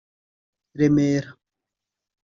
Remera